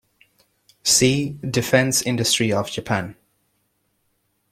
See: Defense industry of Japan.